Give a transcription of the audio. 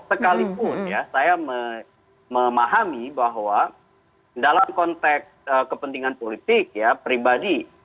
sekalipun ya saya memahami bahwa dalam konteks kepentingan politik ya pribadi